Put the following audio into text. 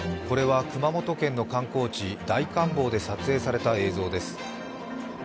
これは熊本県の観光地、大観峰で撮影された映像です。